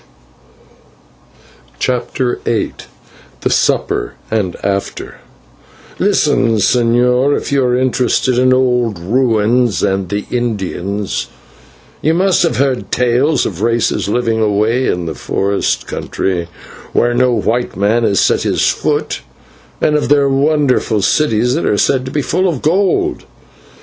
CHAPTER VIII THE SUPPER AND AFTER "Listen, señor; if you are interested in old ruins and the Indians, you must have heard tales of races living away in the forest country, where no white man has set his foot, and of their wonderful cities that are said to be full of gold.